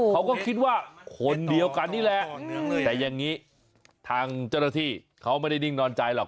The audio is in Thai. เขาก็คิดว่าคนเดียวกันนี่แหละแต่อย่างนี้ทางเจ้าหน้าที่เขาไม่ได้นิ่งนอนใจหรอก